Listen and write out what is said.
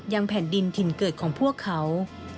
ยังแผ่นดินถิ่นเกิดของพวกเขา